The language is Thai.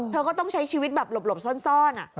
เธอก็ต้องใช้ชีวิตแบบหลบซ่อน